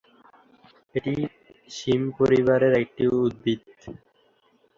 এটি শিম পরিবারের একটি উদ্ভিদ।